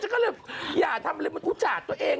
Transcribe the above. ฉันก็เลยอย่าทำอะไรมันอุจจาดตัวเอง